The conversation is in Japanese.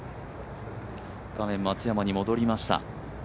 画面、松山に戻りました。